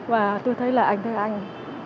và tôi thấy là anh thế anh